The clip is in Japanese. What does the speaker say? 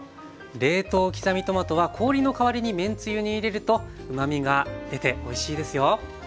冷凍刻みトマトは氷の代わりにめんつゆに入れるとうまみが出ておいしいですよ。